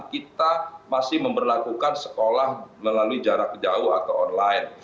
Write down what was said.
kita masih memperlakukan sekolah melalui jarak jauh atau online